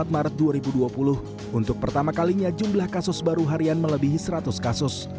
empat maret dua ribu dua puluh untuk pertama kalinya jumlah kasus baru harian melebihi seratus kasus